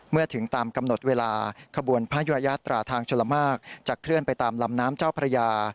เมื่อถึงตามกำหนดเวลาขบวนพระยุรยาตราทางชลมากจะเคลื่อนไปตามลำน้ำเจ้าพระยา